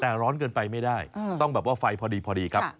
แต่ร้อนเกินไปไม่ได้ต้องแบบว่าไฟพอดีพอดีครับ